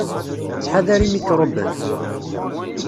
Ttḥadar imikṛuben!.